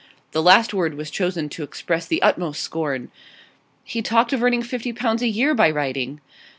The last word was chosen to express the utmost scorn. 'He talked of earning fifty pounds a year by writing.